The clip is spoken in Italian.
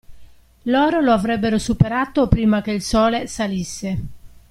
Loro lo avrebbero superato prima che il Sole salisse.